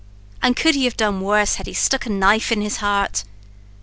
An' could he have done worse had he stuck a knife into his heart?"